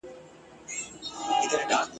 پر زمري باندي د سختو تېرېدلو ..